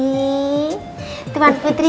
baiklah tuan putri